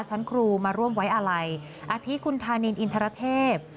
ชั้นครูมาร่วมไว้อะไรอคุณทานีลอินทรเทพ